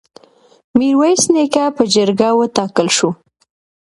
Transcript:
میرویس نیکه په جرګه وټاکل شو.